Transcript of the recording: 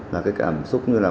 là cái cảm xúc như là